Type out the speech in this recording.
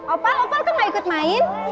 opal opal kamu mau ikut main